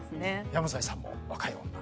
山添さんも若い女。